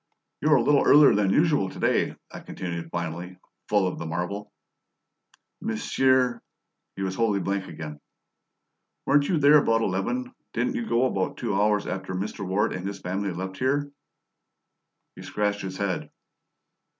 "You were a little earlier than usual to day," I continued finally, full of the marvel. "Monsieur?" He was wholly blank again. "Weren't you there about eleven? Didn't you go about two hours after Mr. Ward and his friends left here?" He scratched his head.